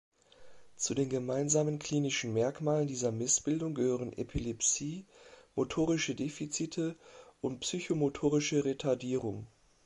Zu den gemeinsamen klinischen Merkmalen dieser Missbildung gehören Epilepsie, motorische Defizite und psychomotorische Retardierung.